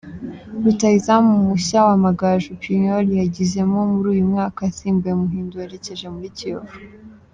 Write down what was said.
Rutahizamu mushya wa Amagaju, Pignol yayigezemo muri uyu mwaka asimbuye Muhindo werekeje muri Kiyovu.